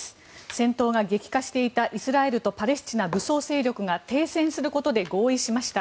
戦闘が激化していたイスラエルとパレスチナ武装勢力が停戦することで合意しました。